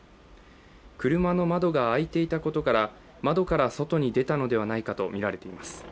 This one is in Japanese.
車の窓が開いていたことから窓から外に出たのではないかとみられています。